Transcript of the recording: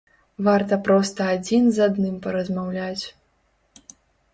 Варта проста адзін з адным паразмаўляць.